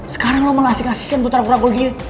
sekarang lo melahsikasikan buat rakul rakul dia